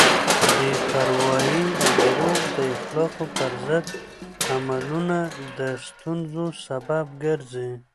بې پروایی او دروغ د اخلاقو پر ضد عملونه د ستونزو سبب ګرځي.